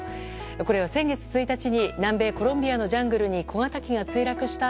これは先月１日に南米コロンビアのジャングルに小型機が墜落した